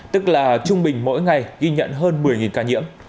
tức là trung bình mỗi ngày ghi nhận hơn một mươi ca nhiễm